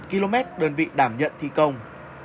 một mươi một km đơn vị đảm nhận thi công